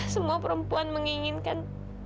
semua perempuan menginginkan